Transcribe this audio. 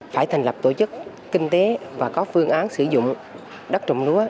phải thành lập tổ chức kinh tế và có phương án sử dụng đất trồng lúa